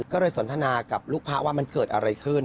ก็เลยสนทนากับลูกพระว่ามันเกิดอะไรขึ้น